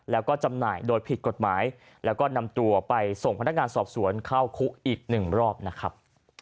แล้วก็จำหน่ายโดยผิดกฎหมายแล้วก็นำตัวไปส่งพนักงานสอบสวนเข้าคุกอีกหนึ่งรอบนะครับ